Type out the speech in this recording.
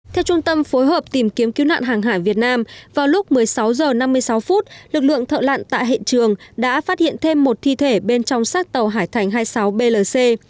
theo trung tâm phối hợp tìm kiếm cứu nạn hàng hải việt nam vào lúc một mươi sáu h năm mươi sáu phút lực lượng thợ lặn tại hiện trường đã phát hiện thêm một thi thể bên trong xác tàu hải thành hai mươi sáu blc